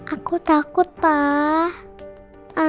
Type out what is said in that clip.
aku takut pa